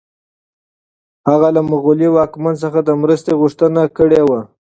هغه له مغلي واکمن څخه د مرستې غوښتنه کړې وه.